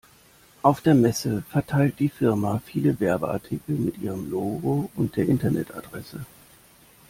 Auf der Messe verteilte die Firma viele Werbeartikel mit ihrem Logo und der Internetadresse.